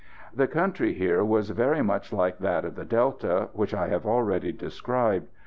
The country here was very much like that of the Delta, which I have already described.